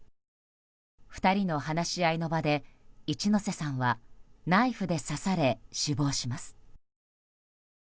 ２人の話し合いの場で一ノ瀬さんはナイフで刺され死亡します。